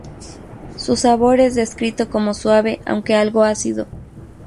Su sabor es descrito como suave aunque algo ácido.